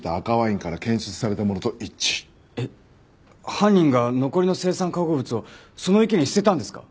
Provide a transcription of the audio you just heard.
犯人が残りの青酸化合物をその池に捨てたんですか？